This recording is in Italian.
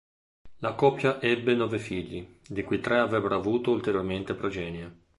La coppia ebbe nove figli, di cui tre avrebbero avuto ulteriormente progenie.